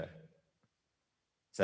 dimanapun bapak ibu berada